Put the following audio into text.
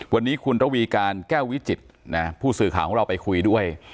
วันนี้คุณระวีการแก้ววิจิตรผู้สื่อข่าวของเราไปคุยด้วย